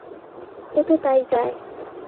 ও তো তাই চায়।